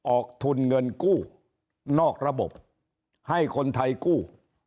ออกทุนเงินกู้นอกระบบให้คนไทยกู้